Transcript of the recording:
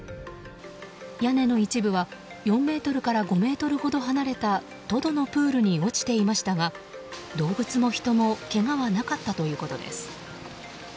屋根の一部は４ｍから５ｍほど離れたトドのプールに落ちていましたが動物も人もけがはなかったということです。